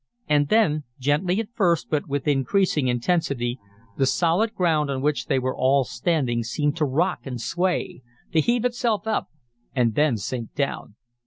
And then, gently at first, but with increasing intensity, the solid ground on which they were all standing seemed to rock and sway, to heave itself up, and then sink down.